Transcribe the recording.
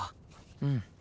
うん。